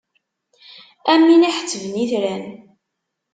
Am win iḥettben itran.